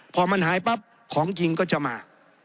พอมันหายปั๊บของจริงก็จะมา